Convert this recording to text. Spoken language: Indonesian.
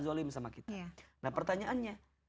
zolim sama kita nah pertanyaannya